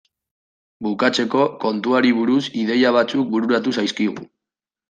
Bukatzeko, kontuari buruz ideia batzuk bururatu zaizkigu.